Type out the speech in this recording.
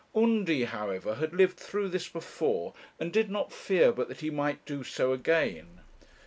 Undy, however, had lived through this before, and did not fear but that he might do so again.